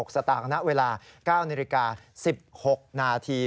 สตางค์ณเวลา๙นาฬิกา๑๖นาที